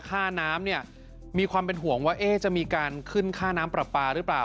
ค่าน้ำเนี่ยมีความเป็นห่วงว่าจะมีการขึ้นค่าน้ำปลาปลาหรือเปล่า